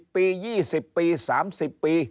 ปี๒๐ปี๓๐ปี